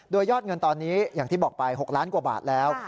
โดยยอดเงินตอนนี้อย่างที่บอกไป๖ล้านกว่าบาทแล้ว